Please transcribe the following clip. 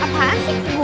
apaan sih ibu weh